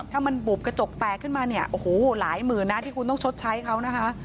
ถ้ามันบุบกระจกแตกขึ้นมาเนี่ยโอ้โหหลายหมื่นนะที่คุณต้องชดใช้เขานะคะ